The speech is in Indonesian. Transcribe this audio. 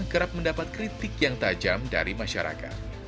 kerap mendapat kritik yang tajam dari masyarakat